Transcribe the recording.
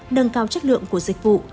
nâng cao chất lượng của dịch vụ